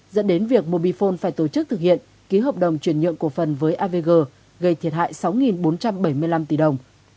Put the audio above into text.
dẫn đến việc mobifone phải tổ chức thực hiện ký hợp đồng chuyển nhượng cổ phần với avg gây thiệt hại sáu bốn trăm bảy mươi năm tỷ đồng